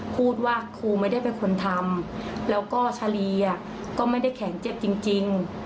พูดว่าครูไม่ได้เป็นคนทำแล้วก็ชาลีก็ไม่ได้แข็งเจ็บจริง